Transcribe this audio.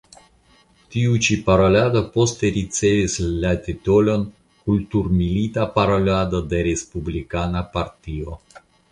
Tiu ĉi parolado poste ricevis la titolon "Kulturmilita Parolado de Respublikana Partio".